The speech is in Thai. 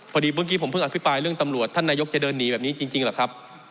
พอดีเมื่อกี้ผมเพิ่งอภิปรายเรื่องตำรวจท่านนายกจะเดินหนีแบบนี้จริงเหรอครับ